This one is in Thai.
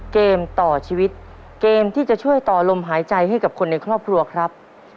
เกมต่อชีวิตเกมที่จะช่วยต่อลมหายใจให้กับคนในครอบครัวครับ